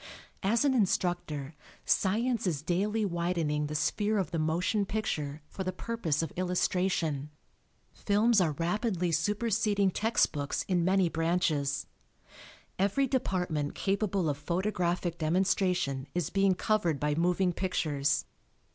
As an instructor, science is daily widening the sphere of the motion picture for the purpose of illustration. Films are rapidly superseding text books in many branches. Every department capable of photographic demonstration is being covered by moving pictures.